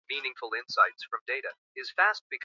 Gari limejaa matunda yetu